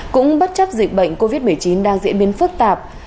cũng bất chấp dịch bệnh covid một mươi chín đang diễn biến phức tạp